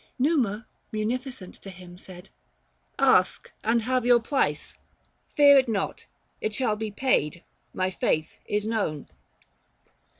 Numa munificent to him, said, " Ask And have your price ; fear not, it shall be paid ; My faith is known."